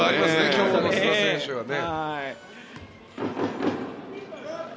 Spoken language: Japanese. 今日の須田選手はね。